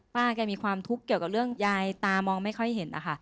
แกมีความทุกข์เกี่ยวกับเรื่องยายตามองไม่ค่อยเห็นนะคะ